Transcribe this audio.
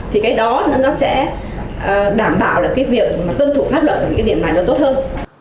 thì cái đó nó sẽ đảm bảo là cái việc dân thủ pháp luật của những cái điểm này nó tốt hơn